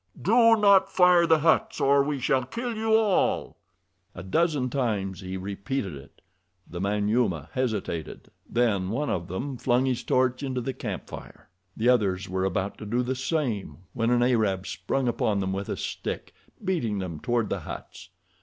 Do not fire the huts, or we shall kill you all!" A dozen times he repeated it. The Manyuema hesitated, then one of them flung his torch into the campfire. The others were about to do the same when an Arab sprung upon them with a stick, beating them toward the huts.